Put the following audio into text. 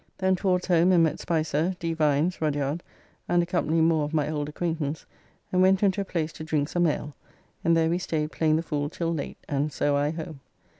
Then towards home and met Spicer, D. Vines, Ruddiard, and a company more of my old acquaintance, and went into a place to drink some ale, and there we staid playing the fool till late, and so I home.